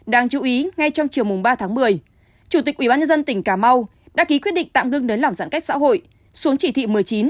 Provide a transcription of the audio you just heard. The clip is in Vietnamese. đáng chú ý ngay trong chiều mùng ba tháng một mươi chủ tịch ubnd tỉnh cà mau đã ký quyết định tạm ngưng nới lỏng giãn cách xã hội xuống chỉ thị một mươi chín